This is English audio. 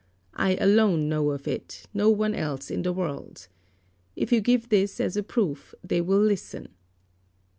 I alone know of it, no one else in the world. If you give this as a proof they will listen."